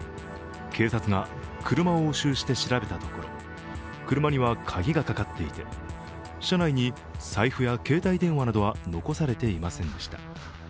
警察が車を押収して調べたところ車には鍵がかかっていて車内に財布や携帯電話などは残されていませんでした。